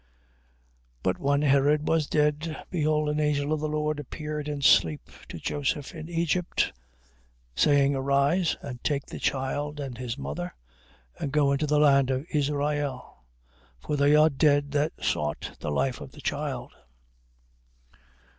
2:19. But when Herod was dead, behold an angel of the Lord appeared in sleep to Joseph in Egypt, 2:20. Saying: Arise, and take the child and his mother, and go into the land of Israel. For they are dead that sought the life of the child.